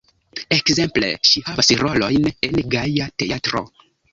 Ekzemple ŝi havas rolojn en Gaja Teatro.